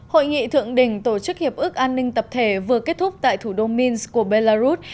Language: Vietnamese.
hội nghị thượng đỉnh tổ chức hiệp ước an ninh tập thể vừa kết thúc tại thủ đô mins của belarus